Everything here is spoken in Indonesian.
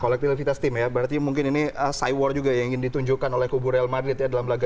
kolektivitas tim ya berarti mungkin ini cy war juga yang ingin ditunjukkan oleh kubu real madrid ya dalam laga